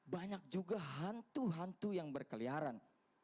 banyak juga hantu hantu yang berkeliaran